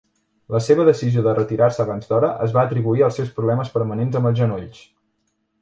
La seva decisió de retirar-se abans d'hora es va atribuir als seus problemes permanents amb els genolls.